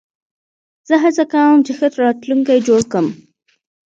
زه هڅه کوم، چي ښه راتلونکی جوړ کړم.